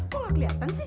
kok gak keliatan sih